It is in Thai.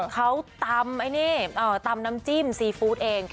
เขาตำน้ำจิ้มซีฟู้ดเอง